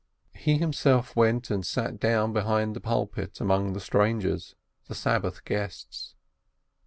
He himself went and sat down behind the pulpit among the strangers, the Sabbath guests.